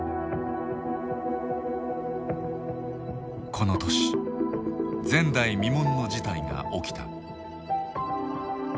この年前代未聞の事態が起きた。